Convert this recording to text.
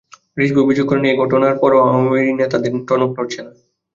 রিজভী অভিযোগ করেন, এই ঘটনার পরও আওয়ামী নেতাদের টনক নড়ছে না।